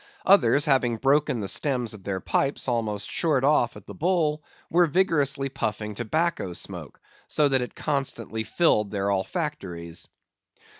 Others having broken the stems of their pipes almost short off at the bowl, were vigorously puffing tobacco smoke, so that it constantly filled their olfactories.